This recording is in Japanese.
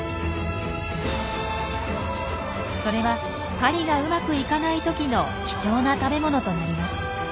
それは狩りがうまくいかない時の貴重な食べ物となります。